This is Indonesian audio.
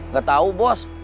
gak tau bos